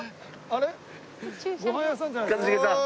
あれ？